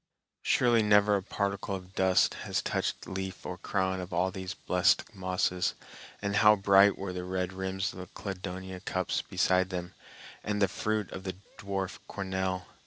Surely never a particle of dust has touched leaf or crown of all these blessed mosses; and how bright were the red rims of the cladonia cups beside them, and the fruit of the dwarf cornel!